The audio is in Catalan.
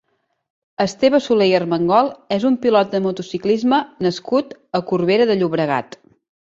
Esteve Soler i Armengol és un pilot de motociclisme nascut a Corbera de Llobregat.